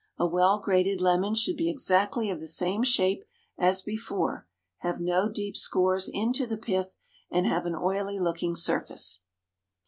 A well grated lemon should be exactly of the same shape as before, have no deep scores into the pith, and have an oily looking surface.